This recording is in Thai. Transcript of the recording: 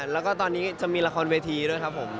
แล้วก็ตอนนี้จะมีละครเวทีด้วยครับผม